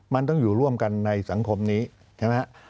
มันต้องอยู่ร่วมกันในสังคมนี้ใช่ไหมครับ